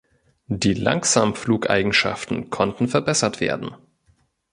Die Langsamflugeigenschaften konnten verbessert werden.